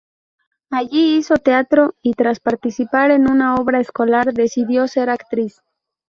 Allí hizo teatro y, tras participar en una obra escolar, decidió ser actriz.